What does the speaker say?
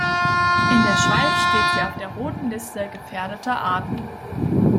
In der Schweiz steht sie auf der Roten Liste gefährdeter Arten.